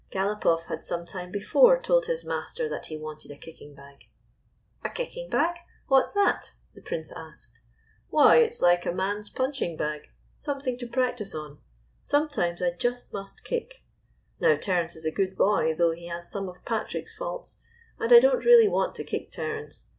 Galopoff had some time before told his master that he wanted a kicking bag. "A 'kicking bag?' What's that?" the Prince asked. " Why, it 's like a man's puncliing bag — 207 GYPSY, THE TALKING DOG something to practice on. Sometimes I just must kick . Now, Terence is a good boy, though he has some of Patrick's faults, and I don't really want to kick Terence.